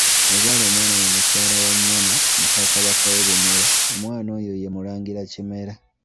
Yazaala omwana mu Mukyala Wannyana muka Kabaka w'e Bunyoro, omwana oyo ye Mulangira Kimera.